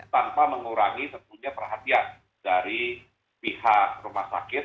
tanpa mengurangi tentunya perhatian dari pihak rumah sakit